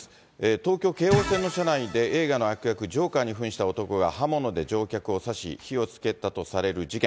東京・京王線の車内で映画の悪役、ジョーカーにふんした男が刃物で乗客を刺し、火をつけたとされる事件。